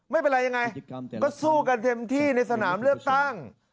ไม่เป็นไรยังไงก็สู้กันเต็มที่ในสนามเลือกตั้ง